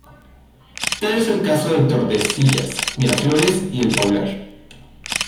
Tal es el caso de Tordesillas, Miraflores y el Paular.